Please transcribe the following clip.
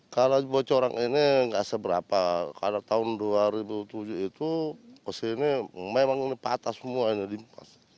kalau bocoran ini nggak seberapa karena tahun dua ribu tujuh itu kesini memang ini patah semuanya dimas